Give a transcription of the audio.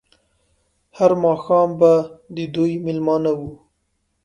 هر ماښام به د دوی مېلمانه وو.